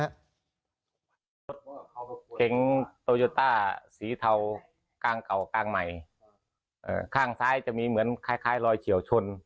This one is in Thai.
รถเก๋งโตโยต้าสีเทากลางเก่ากลางใหม่ข้างซ้ายจะมีเหมือนคล้ายคล้ายรอยเฉียวชน